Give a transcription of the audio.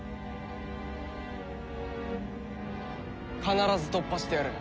必ず突破してやる。